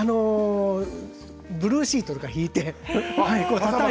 ブルーシートを敷いて。